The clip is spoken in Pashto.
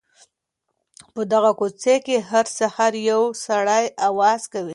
په دغه کوڅې کي هر سهار یو سړی اواز کوي.